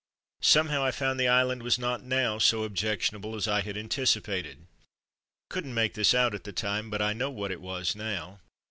Somehow I found the island was not now so objectionable as I had antici pated. Couldn't make this out at the time, but I know what it was now.